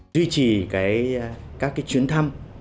duy trì các chuyến thăm